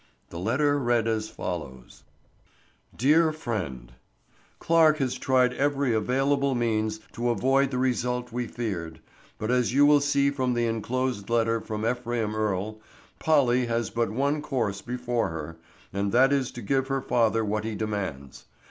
The letter read as follows: DEAR FRIEND: Clarke has tried every available means to avoid the result we feared, but as you will see from the inclosed letter from Ephraim Earle, Polly has but one course before her, and that is to give her father what he demands.